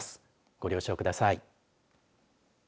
ご了承ください。